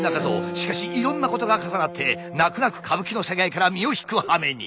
しかしいろんなことが重なって泣く泣く歌舞伎の世界から身を引くはめに。